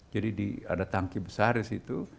jadi ada tangki besar di situ